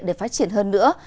để phát triển hơn nữa